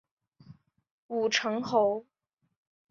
武城侯。